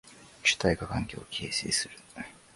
主体が環境を形成する。